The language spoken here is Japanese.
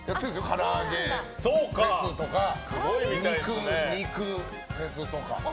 から揚げフェスとか肉フェスとか。